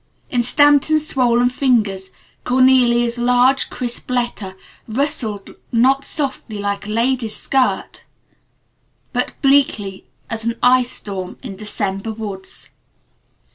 In Stanton's swollen fingers Cornelia's large, crisp letter rustled not softly like a lady's skirts but bleakly as an ice storm in December woods.